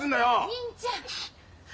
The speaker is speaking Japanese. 銀ちゃん！